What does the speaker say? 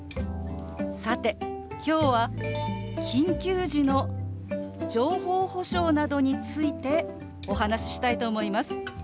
さて今日は緊急時の情報保障などについてお話ししたいと思います。